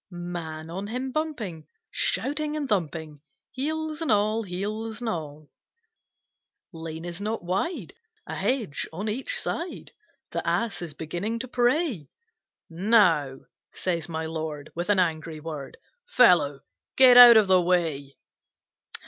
Man on him bumping, Shouting and thumping, Heels and all, heels and all! Lane is not wide, A hedge on each side, The Ass is beginning to bray; "Now," says my Lord, With an angry word, "Fellow, get out of the way!"